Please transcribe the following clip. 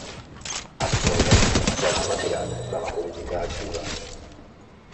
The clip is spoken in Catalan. Actualment es troba retirat de la política activa.